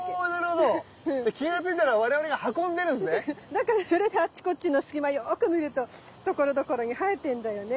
だからそれであっちこっちの隙間よく見るとところどころに生えてんだよね。